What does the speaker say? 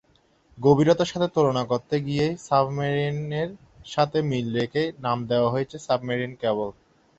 গভীরতার সাথে তুলনা করতে গিয়েই সাবমেরিনের সাথে মিল রেখে নাম দেয়া হয়েছে সাবমেরিন ক্যাবল।